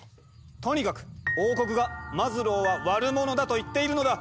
とにかく王国がマズローは悪者だと言っているのだ！